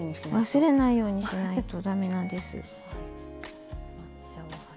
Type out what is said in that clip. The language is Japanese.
忘れないようにしないと駄目なんです。